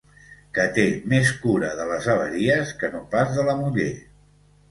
Que té més cura de les haveries que no pas de la muller.